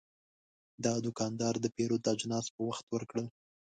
دا دوکاندار د پیرود اجناس په وخت ورکړل.